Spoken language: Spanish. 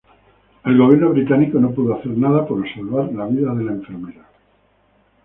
El gobierno británico no pudo hacer nada por salvar la vida de la enfermera.